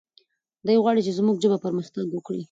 دی غواړي چې زموږ ژبه پرمختګ وکړي.